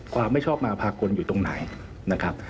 ไม่ชอบมาภากลอยู่ตรงไหนนะครับ